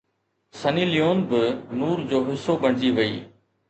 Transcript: سني ليون به نور جو حصو بڻجي وئي